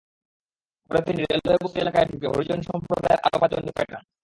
পরে তিনি রেলওয়ে বস্তি এলাকায় ঢুকে হরিজন সম্প্রদায়ের আরও পাঁচজনকে পেটান।